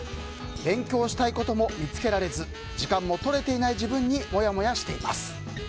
勉強したいことも見つけられず時間もとれていない自分にモヤモヤしています。